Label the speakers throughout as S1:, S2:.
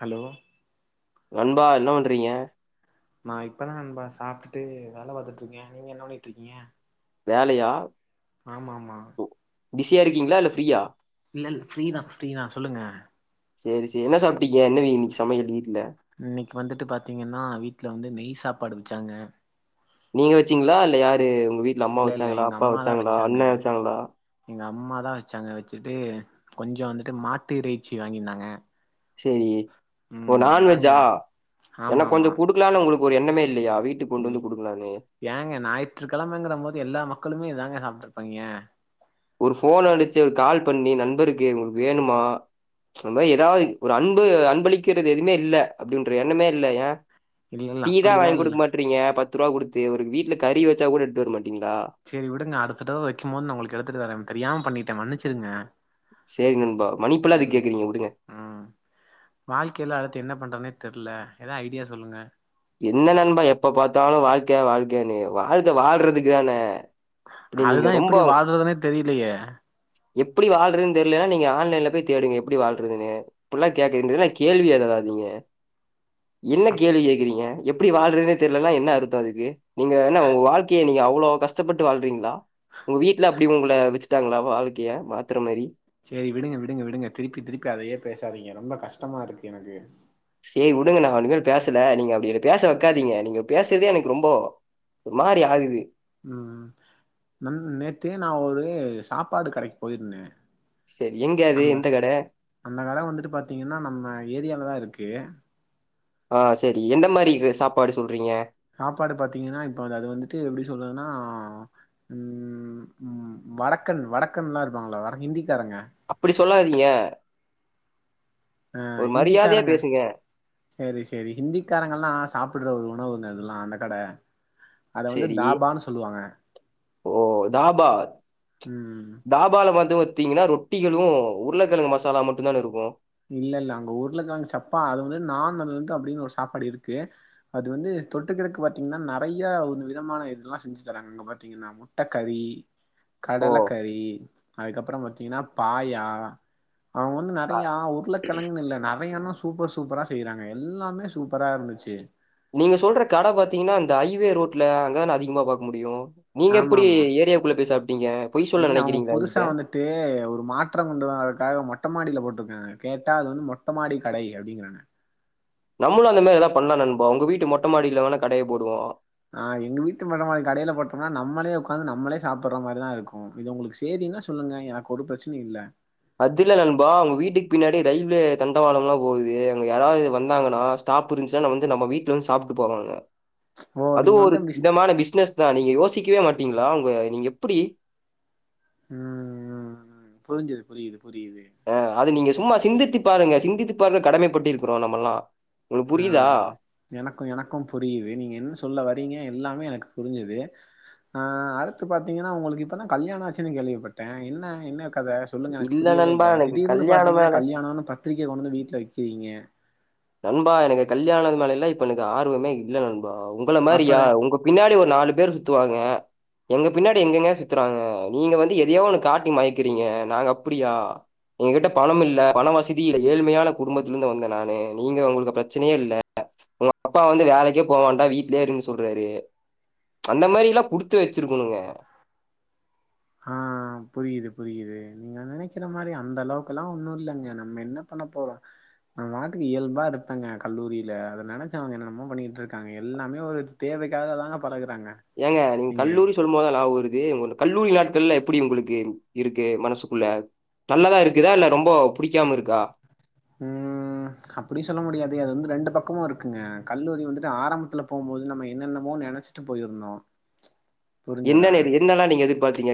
S1: Hello
S2: நண்பா என்ன பண்றீங்க?
S1: நா இப்பதா நண்பா சாப்ட்டுட்டு வேல பாத்துட்ருக்கே. நீங்க என்ன பண்ணிட்ருக்கீங்க?
S2: வேலையா?
S1: ஆமா ஆமா
S2: பிஸியா இருக்கீங்களா இல்ல ஃப்ரீயா?
S1: இல்ல இல்ல ஃப்ரீதா ஃப்ரீதா சொல்லுங்க.
S2: சேரி சேரி என்ன சாப்ட்டீங்க என்ன இன்னக்கி சமையல் வீட்ல
S1: இன்னக்கி வந்துட்டு பாத்திங்கன்னா வீட்ல வந்து நெய் சாப்பாடு வெச்சாங்க.
S2: நீங்க வெச்சீங்களா இல்ல யாரு உங்க வீட்ல அம்மா
S1: இல்ல இல்ல
S2: வெச்சாங்களா
S1: எங்க
S2: அப்பா
S1: அம்மாதா
S2: வெச்சாங்களா
S1: வச்சாங்க
S2: அண்ண வெச்சாங்களா
S1: எங்க அம்மாதா வெச்சாங்க வெச்சுட்டு கொஞ்சோ வந்துட்டு மாட்டு இறைச்சி வாங்கியிருந்தாங்க
S2: செரி ஓ
S1: ம் அதாங்க
S2: நான்வெஜ்ஜா எனக்கு கொஞ்ச குடுக்கலானு உங்களுக் ஒரு எண்ணமே இல்லயா?
S1: வீ ஏங்க ஞாயிற்றுக்கெழமைங்கறம்போது எல்லா மக்களுமே இது தாங்க சாப்ட்ருப்பாய்ங்க
S2: ஒரு ஃபோன் அடிச்சு ஒரு கால் பண்ணி நண்பருக்கு உங்களுக்கு வேணுமா அந்த மாரி ஏதாவது ஒரு அன்பு அன்பளிக்கிறது எதுமே இல்ல அப்டின்ற எண்ணமே இல்ல யேன்
S1: இல்ல இல்ல
S2: டீ தா
S1: அப்படியெல்லா
S2: வாங்கி
S1: இல்ல
S2: குடுக்க மாட்றீங்க பத் து ரூவா குடுத்து ஒரு வீட்ல கறி வச்சா கூட எடுத்துட்டு வரமாட்
S1: சேரி விடுங்க அடுத்த தடவ வைக்கும் போது நா உங்களுக்கு எடுத்துட்டு வரே தெரியாம பண்ணிட்டே மன்னிச்சிருங்க
S2: சரி நண்பா. மன்னிப்பெல்லாம் எதுக்கு
S1: ம்
S2: கேக்குறீங்க? விடுங்க.
S1: ம் ம் வாழ்க்கைல அடுத்து என்ன பண்றதுனே தெ ர்ல எதா ஐடியா சொல்லுங்க
S2: என்ன நண்பா எப்ப பாத்தாலு வாழ்க்க வாழ்க்கனு வாழ்க்க வாழ்றதுக்குதான
S1: அதுதா எப்பிடி வாழ்றதுனே தெரியலயே
S2: எப்பிடி வாழ்றதுன்னு தெரியிலன்னா நீங்க ஆன்லைன்ல போய் தேடுங்க எப்பிடி வாழ்றதுன்னு இப்படிலா கேக்குறேன்ட்டு என்ன கேள்வி கேக்காதீங்க என்ன கேள்வி கே றீங்க எப்பிடி வாழ்றதுனே தெர்லன்னா என்ன அர்த்தோ அதுக்கு நீங்க என்ன உங்க வாழ்க்கைய நீங்க அவ்ளோ கஷ்டப்பட்டு வாழ்றீங்களா உங்க வீட்ல அப்டி உங்கள வெச்சுட்டாங்களா வாழ்க்கைய மாத்துற மாரி
S1: சேரி விடுங்க விடுங்க விடுங்க திருப்பி திருப்பி அதையே பேசாதீங்க ரொம்ப கஷ்டமா இருக்கு எனக்கு
S2: சேரி உடுங்க நா இனிமேல் பேசல நீங்க அப்டி என்ன பேச வைக்காதீங்க நீங்க பேசறதே எனக்கு ரொம்ப ஒரு மாரி ஆகுது
S1: ம் ம் நண் நேத்து நா ஒரு சாப்பாடு கடைக்கு போயிருந்தே
S2: சரி எங்க அது
S1: அந்த
S2: எந்த கட
S1: அந்த கட வந்துட்டு பாத்தீங்கன்னா நம்ம ஏரியாலதா இருக் கு
S2: ஆ சேரி எந்த மாரி இது சாப்பாடு சொல்றீங்க
S1: சாப்பாடு பாத்தீங்கன்னா இப்ப அது அது வந்துட்டு எப்டி சொல்றதுன்னா ம் ம் வடக்கன் வடக்கன்லா இருப்பாங்கல்லோ வடக் ஹிந்திக்காரங்க
S2: அப்பிடி சொல்லாதீங்க
S1: ஆ
S2: ஒரு மரியாதையா
S1: ஹிந்திக்காரங்க
S2: பேசுங்க
S1: சேரி சேரி ஹிந்திக்காரங்கல்லா சாப்புடுற ஒரு உணவுங்க அதெல்லா அந்த கட அத வந்து
S2: சேரி
S1: தாபான்னு சொல்லுவாங்க
S2: ஓ தாபா
S1: ம்
S2: தாபால வந்து பாத்தீங்கன்னா ரொட் குட்டிகளு உருளக்கெழங்கு மசாலா மட்டுந்தான இருக்கு
S1: இல்ல இல்ல அங்க உருளக்கெழங்கு சப்பா அது வந்து நான் வந்ததுலிருந்து அப்டின் ஒரு சாப்பாடு இருக்கு அது வந்து தொட்டுக்கிறதுக்கு பாத்தீங்கன்னா நறையா ஒரு விதமான இதுலா செஞ்சு தராங்க அங்க பாத்தீங்கன்னா முட்ட கறி
S2: ஓ
S1: கடலக்கறி அதுக்கப்றோம் பாத் த்தீங்கன்னா பாயா அவங்க வந்
S2: அ-
S1: யா உருளகெழங்குன் இல்ல நறையானஸ் சூப்பர் சூப்பரா செய்றாங்க எல்லாமே சூப்பரா இருந்துச்சு
S2: நீங்க சொல்ற கட பாத்தீங்கன்னா இந்த ஐவே ரோட்ல அங்கதான அதிகமா பாக்க முடியு நீங்க
S1: ஆமா
S2: எப்டி
S1: ஆமா
S2: ஏரியாக்குள்ள போய் சாப்
S1: இல்ல அவங்க புதுசா வந்துட்டு ஒரு மாற்றம் கொண்டு வதுக்காக மட் மொட்டமாடியில போட்ருக்காங்க கேட்டா அது வந்து மொட்டைமாடி கடை அப்டிங்றாங்க
S2: நம்மளு அந்த மாரி எதாவது பண்லா நண்பா உங்க வீட்டு மொட்ட மாடில வேணா கடைய போடுவோ
S1: ஆ எங்க வீட்டு மொட்டமாடி கடைல போட்டோம்னா நம்மளே உக்காந்து நம்மளே சாப்பற மாரிதா இருக்கு இது உங்களுக்கு சேரின்னா சொல்லுங்க எனக்கு ஒரு பிரச்சனயு இல்ல
S2: அதுல்ல நண்பா உங்க வீட்டுக்கு பின்னாடி ரயில்வே தண்டவாளம்லா போகுது அங்க யாராவது வந்தாங்கன்னா ஸ்டாப் இருந்துச்சுன் நா வந்து நம்ம வீட்ல வந்து சாப்டு போவாங்க
S1: ஓ
S2: அது
S1: நீங்க வந்து
S2: ஒரு
S1: அப்டி
S2: விதமான பிஸ்னஸ் தானே நீங்க யோசி இருக்கவே மாட்டீங்களா உங்க நீங்க எப்டி
S1: ம் ம் ம் புருஞ்சுது புரியுது புரியுது
S2: ஆ அது நீங்கஸ் சும்மா சிந்தித்து பாருங்க சிந்தித்து பார்க்க கடமை பட்டிருக்கோ நாம்மல்லா
S1: ஆ எனக்கு எனக்கும் புரியுது நீங்க என்ன சொல்ல வரீங்க எல்லாம் மே எனக்கு புருஞ்சுது ஆ அடுத்து பாத்தீங்கன்னா உங்களுக்கு இப்பதா கல்யாணோ ஆச்சுனு கேள்விப்பட்ட என்ன என்னக் அத சொல்லுங்க எனக்கு புரியவே
S2: நண்பா
S1: இல்ல
S2: எனக்கு
S1: திடீர்னு
S2: கல்யாணம்
S1: பாத்தீங்கன்னா
S2: மேல
S1: கல்யாணோன் பாத் பத்திரிக்க கொண்டு வந்து வீட்ல வெக்கிறீங்க
S2: நண்பா எனக்கு கல்யாணது மேலலா இப்ப எனக்கு ஆர்வமே இல்ல நண் பா உங்கள
S1: அப்பற
S2: மாரியா உங்க பின்னாடி ஒரு நாலு பேர் சுத்துவாங் ங்க எங்க பின்னாடி எங்கெங்க சுத்துறாங்க நீங்க வந்து எதையோ ஒன்னு காட்டி மயக்குறீங்க நாங்க அப்டியா எங்க கிட்ட பணம் இல்ல பணோ வசதி இல்ல ஏழ்மையான குடும்பத்துல இருந்து வந்த நானு நீங்க உங்களுக்கு பிரச்சனயே இல்ல உங்க அப்பா வந்து வேலைக்கே போவான்டா வீட்லயே இருன் சொல்றாரு அந்த மாரிலா குடுத்து வெச்சுருக்கணுங்க
S1: ஆ புரியுது புரியுது நீங்க நெனைக்கிற மாரி அந்த அளவுக்குலா ஒன்னு இல்லங்க நம்ம என்ன பண்ண போறோ நம்ம பாட்டுக்கு இயல்பா இருப்பங்க கல்லூரியில அத நெனச்சவங்க என்னென்னம்மோ பண்ணிட்டு இருக்காங்க எல்லாமே ஒரு தேவைக்காகதாங்கப்
S2: ஏங்க நீங்க கல்லூரி சொல்லும் போதுதா நியா வருது து உங்க கல்லூரி நாட்கள்லா எப்டி உங்களுக்கு இருக்கு மனசுக்குள்ள நல்லதா இருக்குதா இல்ல ரொம்போ புடிக்காம இருக்கா
S1: ம் அப்டி சொல்ல முடியாது அது வந்து ரெண்டு பக்கமு இருக்குங்க கல்லூரி வந்துட்டு ஆரம்பத்துல போம்போது நம்ம என்னென்னமோ நெனச்சிட்டு போயிருந்தோ புரிஞ்சதா
S2: என்னன இது என்னலாம் நீங்க எதி பாக்றீங்க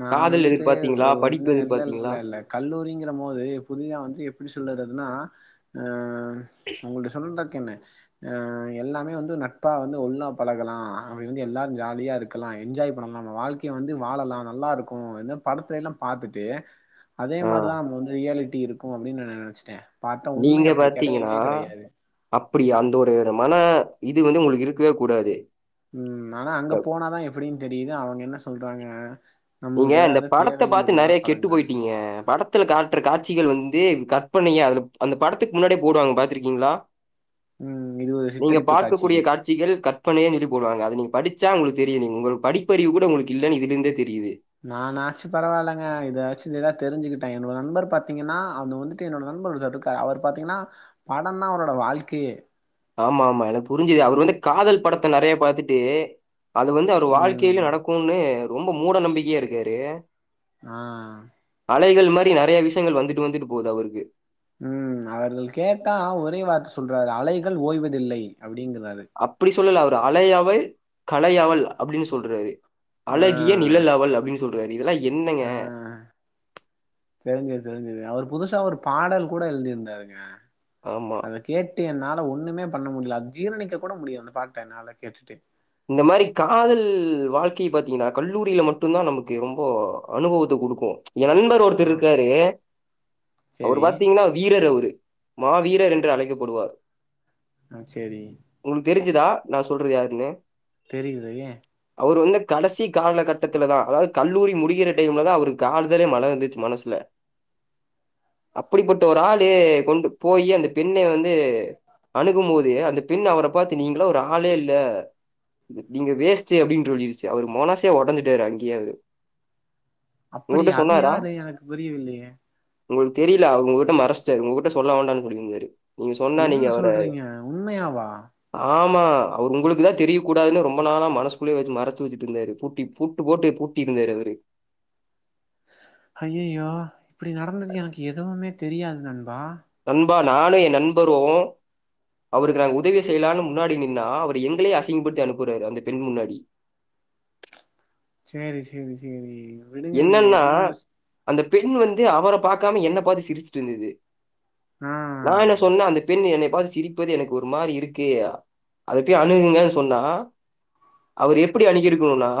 S1: நான் வந்துட்டு ஒரு வந்து
S2: படிப்பு
S1: இல்ல
S2: எதிர்பார்த்தீங்களா?
S1: இல்ல இல்ல கல்லூரிங்கிற போது புதிதா வந்து எப்டி சொல்றதுனா ஆ ஒங்களுடைய சொந் ஆ எல்லாமே வந்து நட்பா வந்து ஒன்னா பழகலா அப்டி வந்து எல்லாரு ஜாலியா இருக்கலா என்ஜாய் பண்ணலா நம்ம வாழ்க்கய வந்து வாழலா நல்லா இருக்கு என்ன படத்தைல எல்லா பாத்துட்டு அதே
S2: ஆ
S1: மாரிதா நம்ம வந்து ரியாலிட்டி இருக்கு அப்டின்னு நெனச்சுட்டே பாத்தா உண்மையா அப்டி கெடயவே கெடயாது
S2: அப்டியா அந்த ஒரு மன இது வந்து உங்களுக்கு இருக்கவே கூடாது
S1: உம் ஆனா அங்க போனாதா எப்டின்னு தெரியுது அவுங்க என்ன சொல்றாங்க
S2: நீங்க
S1: நம்மளுக்கு
S2: அந்த
S1: ஏதாவது
S2: படத்த
S1: தேவைகள்
S2: பாத்து
S1: இருந்தாதா
S2: நெறய கெட்டு
S1: பழகுறாங்க
S2: போயிட்டீங்க படத்ல காட்ற காட்சிகள் வந்து கற்பனையே அதுல அந்த படத்துக்கு முன்னாடியே போடுவாங்க பாத்துருக்கீங்ளா
S1: ம் இது ஒரு
S2: நீங்க
S1: சித்தரிப்பு
S2: பார்க்க
S1: காட்சி
S2: கூடிய காட்சிகள் கற்பனையே அப்டினு போடுவாங்க அது நீ படிச்சா உங்களுக்கு தெரியும் நீங்க உங்க படிப்பறிவு கூட உங்களுக்கு இல்லன்னு இதுலேந்தே தெரியுது
S1: நானாச்சு பரவாயில்லங்க இதாச்சு எதா தெரிஞ்சுக்கிட்டே என்னோட நண்பர் பாத்தீங்கனா அவுங்க வந்துட்டு என்னோட நண்பர் இருக்காரு அவர் பாத்தீங்கனா பட தா அவரோட வாழ்க்கையே
S2: ஆமா ஆமா எனக்கு புரிஞ்சுது அவர் வந்து காதல் படத்த நெறயா பாத்துட்டு அது வந்து அவர்
S1: ம்
S2: வாழ்க்கையிலே நடக்கும்னு ரொம்ப மூட நம்பிக்கையா இருக்காரு
S1: ஆ
S2: அலைகள் மாரி நெறய விஷயங்கள் வந்துட்டு வந்துட்டு போகுது அவருக்கு
S1: உம் அவர்கள் கேட்டா ஒரே வார்த்த சொல்றாரு அலைகள் ஓய்வதில்லை அப்டிங்குறாரு
S2: அப்படி சொல்லல அவர் அலையவள் கலையவள் அப்டின்னு சொல்றாரு
S1: ஆ
S2: அழகிய நிழல் அவள் அப்டின்னு சொ சொல்றாரு இதெல்லாம் என்னங்க?
S1: ஆ தெரிஞ்சுது தெரிஞ்சுது அவர் புதுசா ஒரு பாடல் கூட எழுதி இருந்தாருங்க
S2: ஆமா.
S1: அத கேட்டு என்னால ஒன்னுமே பண்ண முடியல அத ஜீரணிக்க கூட முடியல அந்த பாட்ட என்னால கேட்டுட்டு
S2: இந்த மாரி காதல் வாழ்க்கைய பாத்தீங்கனா கல்லூரில மட்டு தா நமக்கு ரொம்ப அனுபவத்த குடுக்கு என் நண்பர்
S1: ஆ
S2: ஒருத்தர் இருக்காரு அவுரு
S1: சேரி
S2: பாத்தீங்கன்னா வீரர் அவுரு மாவீரர் என்று அழைக்கப்படுவார்
S1: ஆ சேரிங்க
S2: குதா நா சொல்றது யாருன்னு
S1: தெரிலயே
S2: அவுர் வந்து கடசி காலகட்டத்துலதான் அதாவுது கல்லூரி முடிகிற டைம்லதா அவுருக் காதலே மலர்ந்துச்சு மனசுல அப்புடி பட்ட ஒரு ஆளு கொண்டு போயி அந்த பெண்ணை வந்து அணுகும் போது அந்த பெண் அவர பாத்து நீங்கள்லா ஒரு ஆளே இல்ல நீங்க வேஸ்ட்டு அப்டின் சொல்லிருச்சு அவரு மனசே ஒடஞ்சுட்டாரு அங்கயே அவுரு
S1: அப்புடியா அது யாரு எனக்கு புரியவில்லயே
S2: உங்களுக்கு தெரில உங்ககிட்ட மறைச்சுட்டாரு உங்ககுட்ட சொல்ல வேண்டான்னு சொல்லிருந்தாரு
S1: என்ன சொல்றீங்க உண்மையாவா
S2: ஆமா அவுர் உங்களுக்கு தா தெரியு கூடாதுன்னு ரொம்ப நாளா மனசுக்குள்ளயே வச்சு மறைச்சு வச்சுட்டு இருந்தாரு பூட்டி பூட்டு போட்டு பூட்டி இருந்தாரு அவுரு
S1: அய்யுயோ இப்டி நடந்தது எனக் எதுவுமே தெரியாதுனா வா
S2: அப்ப நானு என் நண்பரும் அவுருக்கு நாங்க உதவி செய்யலான் முன்னாடி நின்னா அவரு எங்களயே அசிங்கப்படுத்தி அனுப்புறாரு அந்த பெண் முன்னாடி
S1: சேரி சேரி சேரி விடுங்க நீங்க
S2: என்னன்னா
S1: எதையு யோசி
S2: அந்த பெண் வந்து அவர பாகாம என்ன பாத்து சிரிச்சுட்டு இருந்தது
S1: ஆ
S2: நா என்ன சொன்னே அந்த பெண் என்னக் பாது சிரிப்பது எனக்கு ஒரு மாரி இருக்கு அதபோயி அணுகுங்க சொன்னா அவுர் எப்டி அணுகிருக்கனுனா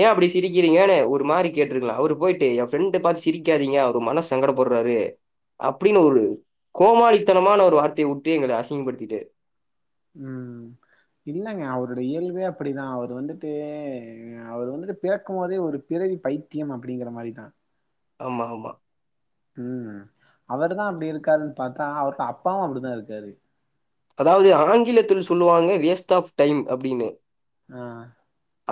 S2: ஏ அப்டி சிரிக்கிரிங்கனு ஒரு மாரி கேட்டுருக்கலாம் அவுரு போயிட்டு ஏ ஃப்ரண்ட பாத்து சிரிக்காதீங்க அவர் மனசு சங்கட படுறாரு அப்டின்னு ஒரு கோமாளித்தனமான ஒரு வார்த்தைய உட்டு எங்கள அசிங்கப்படுத்திட்டாரு
S1: ம் இல்லங்க அவரோட இயல்பே அப்டிதான் அவுரு வந்துட்டு அவுரு வந்துட்டு பிறக்கும் போதே ஒரு பிறவி பைத்தியம் அப்டிங்கிற மாரிதான்
S2: ஆமா ஆமா
S1: ம் அவரு தான் அப்டி இருக்காருன்னு பாத்தா அவரோட அப்பாவும் அப்டிதான் இருக்காரு
S2: அதாவுது ஆங்கிலத்தில் சொல்லுவாங்க வேஸ்ட் ஆஃப் டைம் அப்டின்னு
S1: ஆ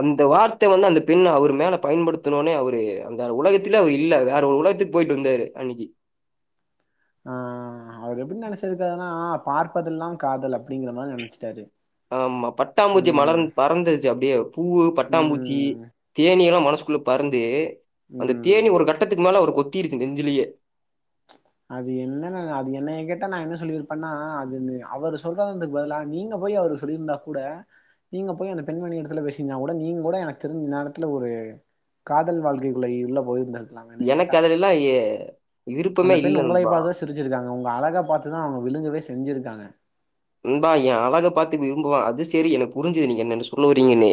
S2: அந்த வார்த்தை வந்து அந்த பெண் அவுர் மேல பயன்படுத்துணோனே அவுரு அந்த உலகத்துலயே அவுரு இல்ல வேற ஒரு உலகத்துக்கு போயிட்டு வந்தாரு அன்னிக்கு
S1: ஆ அவுர் எப்டி நெனைச்சி இருக்காருன்னா பார்ப்பதெல்லா காதல் அப்
S2: ஆமா பட்டாம்பூச்சி மலர்
S1: ம்
S2: பறந்துருச்சு அப்டியே பூவு பட்டாம்பூச்சி
S1: ம்
S2: தேனீ எல்லா மனசு குள்ள பறந்து அந்த
S1: ம்
S2: தேனீ ஒரு கட்டத்துக்கு மேல அவுரு கொத் குத்திருச்சு நெஞ்சுலயே
S1: அது என்னன்ன அது என்னய கேட்டா நா என்ன சொல்லிருப்பேன்னா அது அவரு சொல்றதுக்கு பதிலா நீங்க போய் அவரு சொல்லிருந்தா கூட நீங்க போய் அந்த பெண்மணி எடத்துல பேசந்தா கூட நீங்க கூட எனக்கு தெரிஞ்சு இன்நேரத்துல ஒரு காதல் வாழ்க்கைகுள்ள உள்ள போயிருந்
S2: எனக்கு அதுல எல்லா ஏ
S1: அந்த பெண் உங்களை பார்த்துதா சிரிச்சிருக்காங்க உங்க அழகா பாத்துதா அவுங்க விழுங்கவே சிரி செஞ்சுருக்காங்க
S2: நண்பா எ அழகாக பாத்து விரும்புவா அது சேரி எனக்கு புரிஞ்சது நீங்க என்னன்ன சொல்ல வரீங்கன்னு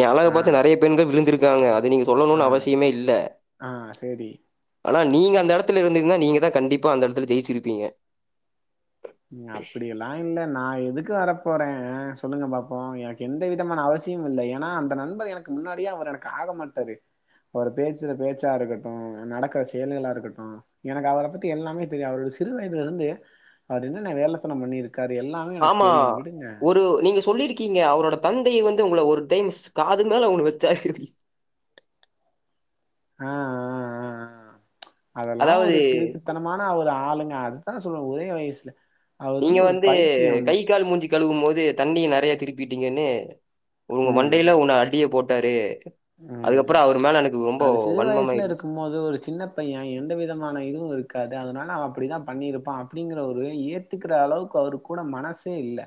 S2: எ அழகா
S1: ஆ
S2: பாத்து நெறய பெண்கள் விழுந்திருக்கு விழுந்திருக்காங்க நீங்க
S1: ஆ
S2: சொல்லணும்னு அவசியமே இல்ல
S1: ஆ சேரி
S2: ஆனா நீங்க அ அந்த இடத்துல இருந்தீங்னா நீங்க தா கண்டிப்பா அந்த இடத்துல ஜெயிச்சிருப்பீங்க
S1: உம் அப்டி எல்லா இல்ல நா எதுக்கு வர போறே சொல்லுங்க பாப்போ எனக்கு எந்த விதமான அவசியமு இல்ல ஏன்னா அந்த நண்பர் எனக்கு முன்னாடியே அவர் எனக்கு ஆக மாட்டாறு அவர் பேசுற பேச்சா இருக்கட்டு நடக்ற செயல்களா இருக்கட்டு எனக்கு அவர பத்தி எல்லாமே தெரியு அவரோடைய சிறு வயதுல இருந்து அவர் என்னன்ன வேலத்தனம் பண்ணிருக்
S2: ஆமா ஒரு நீங்க சொல்லிருக்கீ இருக்கீங்க அவரோட தந்தைய வந்து உங்கள ஒரு டைம் காது மேல ஒன்னு வச்சாரு
S1: ஆ ஆ ஆ ஆ அதெல்லா
S2: அதாவது
S1: ஒரு கிறுக்குதனமான ஒரு ஆ ஆளுங்க அதுதா சொல்லுவேங்க ஒரே வயசு
S2: நீங்க வந்து கை கால் மூஞ்சிக்க கழுவும் போது தண்ணிய நெறய திருப்பிட்டீங்கன்னு உங்க மண்டையில உன் அடிய போட்டு ட்டாரு
S1: உம் அது சிறு வயசுல
S2: வன்மமாயிருச்சு
S1: இருக்கு போது ஒரு சின்ன பைய எந்த விதமான இதுவு இருக்காது அதனால அவ அப்டிதா பண்ணிருப்பா அப்டிங்கிற ஒரு ஏத்துக்கிற அளவுக்கு அவரு கூட மனசே இல்ல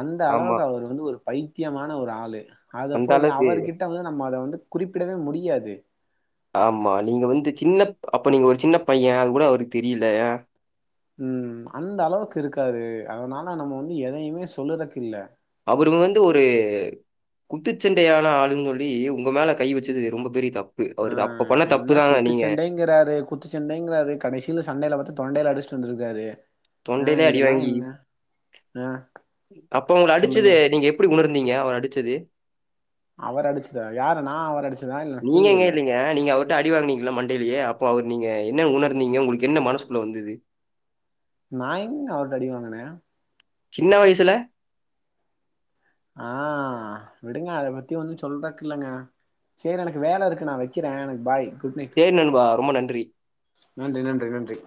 S1: அந்த
S2: ஆமா
S1: அளவுக்கு அவர் வந்து ஒரு பைத்தியமான ஒரு ஆளு அத
S2: அந்த
S1: போய்
S2: அளவுக்கு
S1: அவர்கிட்ட வந்து அத வந்து குறிப்பிடவே முடியாது
S2: ஆமா நீங்க வந்து சின்ன அப்ப நீங்க ஒரு சின்ன பைய அது கூட அவருக்கு தெரியல
S1: உம் அந்த அளவுக்கு இருக்காரு அதனால நம்ம வந்து எதையுமே சொல்லுறக்கு இல்ல
S2: அவருங்க வந்து ஒரு குத்துச்சண்டையான ஆளுன்னு சொல்லி உங்க மேல கை வச்சது ரொம்ப பெரிய தப்பு
S1: ஆ
S2: அவரு அப்ப பண்ண
S1: இப்ப
S2: தப்பு
S1: என்ன
S2: தான். நீங்க
S1: குத்துச்சண்டைங்கிறாரு குத்துச்சண்டைங்கிறாரு கடைசியில சண்டையில பத்தி தொண்டைல அடுச்ட்டு வந்துருக்காரு
S2: தொண்டையிலே அடி வாங்கி
S1: ஆ
S2: அப்ப அவுங்க
S1: சொல்லுங்க
S2: அடிச்சது நீங்க எப்டி உணர் ந்தங்க அவர் அடிச்சது
S1: அவர அடிச்சதா யாரு நா அவர அடிச்சு
S2: நீங்க எங்க இல்லைங்க நீங்க அவரு அடிவாங்கீங்களலாம் மண்டையிலயே அப்போ அவர் நீங்க என்ன உணர்ந்தீங்க உங்களுக்கு என்ன மனசுக்குள்ள வந்தது
S1: நா எங்கக அவர்ட அடிவங்கனே
S2: சின்ன வயசுல
S1: ஆ விடுங்க அத பத்தி ஒன்னு சொல்றதுக்கு இல்லங்க சேரி எனக்கு வேல இருக்கு நா வெக்குறே எனக்கு பாய் குட் நைட்
S2: சரி நண்பா ரொம்ப நன்றி.
S1: நன்றி நன்றி நன்றி